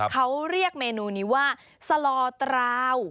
เขาเรียกเมนูนี้ว่าสลอตราว